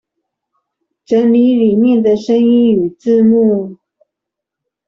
整理裡面的聲音與字幕